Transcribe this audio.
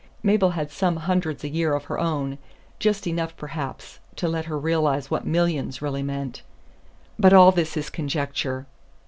Mabel had some hundreds a year of her own; just enough, perhaps, to let her realize what millions really meant. But all this is conjecture.